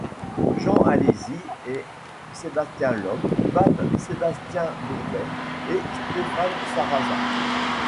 Jean Alesi et Sébastien Loeb battent Sébastien Bourdais et Stéphane Sarrazin.